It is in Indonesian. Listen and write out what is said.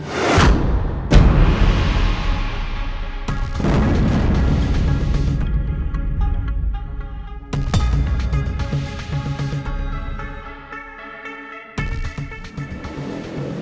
mas surya terbuka